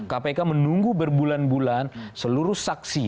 kpk menunggu berbulan bulan seluruh saksi